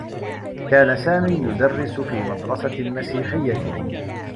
كان سامي يدرّس في مدرسة مسيحيّة.